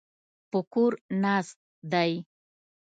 په کور ناست دی.